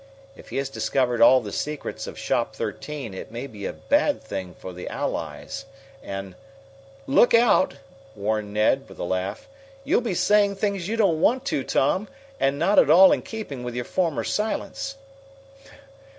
If he has discovered all the secrets of Shop Thirteen it may be a bad thing for the Allies and " "Look out!" warned Ned, with a laugh. "You'll be saying things you don't want to, Tom and not at all in keeping with your former silence."